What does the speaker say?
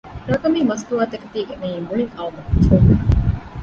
ރަޤަމީ މަސްތުވާ ތަކެތި މިއީ މުޅިން އައު މަފްހޫމެއް